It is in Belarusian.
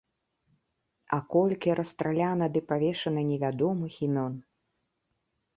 А колькі расстраляна ды павешана невядомых імён?!